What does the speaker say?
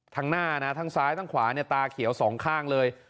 หน้านะทั้งซ้ายทั้งขวาเนี่ยตาเขียวสองข้างเลย